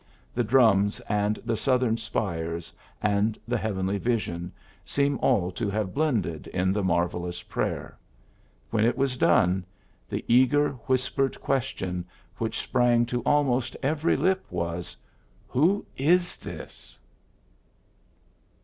The drums and the Southern spires and the heavenly vision seem all to have blended in the marvellous prayer. When it was done, the eager whispered ques tion which sprang to almost every lip was, ^^Whoisthis?"